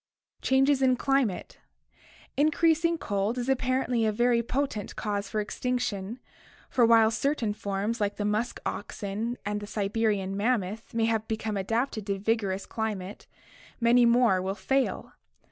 Changes in Climate. — Increasing cold is apparently a very po tent cause for extinction, for while certain forms like the musk oxen and the Siberian mammoth may become adapted to vigorous cli mate, many more will fail.